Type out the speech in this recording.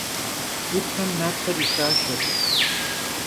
'Upem naper yi xaşşeş.